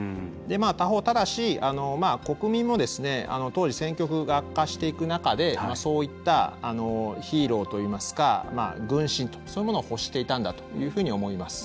他方ただし国民も当時戦局が悪化していく中でそういったヒーローといいますか軍神そういうものを欲していたんだと思います。